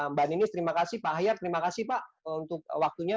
mbak ninis terima kasih pak hayat terima kasih pak untuk waktunya